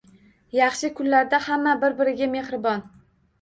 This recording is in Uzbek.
Yaxshi kunlarda hamma bir-biriga mehribon.